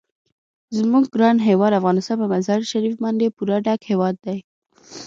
زموږ ګران هیواد افغانستان په مزارشریف باندې پوره ډک هیواد دی.